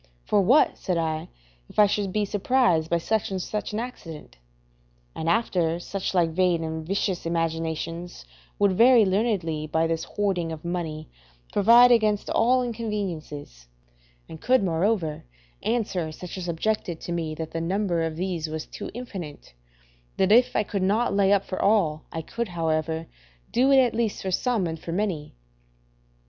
For what, said I, if I should be surprised by such or such an accident? And after such like vain and vicious imaginations, would very learnedly, by this hoarding of money, provide against all inconveniences; and could, moreover, answer such as objected to me that the number of these was too infinite, that if I could not lay up for all, I could, however, do it at least for some and for many.